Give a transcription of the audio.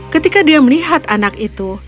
ketika dia melihat anak itu